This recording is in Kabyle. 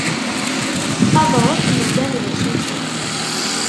Aḍref yellan d asuki.